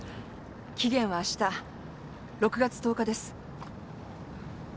期限はあした６月１０日です。